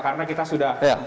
karena kita sudah